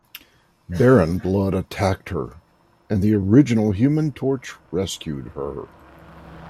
Baron Blood attacked her, and the original Human Torch rescued her.